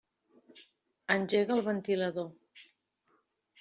Engega el ventilador.